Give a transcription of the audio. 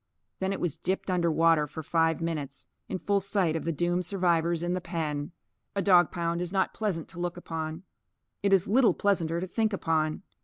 Then it was dipped under water for five minutes, in full sight of the doomed survivors in the pen. A dog pound is not pleasant to look upon. It is little pleasanter to think upon.